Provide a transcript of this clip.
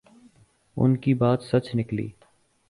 ان کی بات سچ نکلی۔